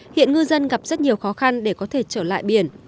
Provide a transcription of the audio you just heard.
hiện ngư dân gặp rất nhiều khó khăn để có thể trở lại biển